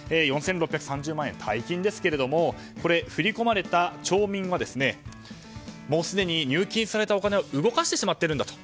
４６３０万円、大金ですけれども振り込まれた町民はもうすでに入金されたお金は動かしてしまっているんだと。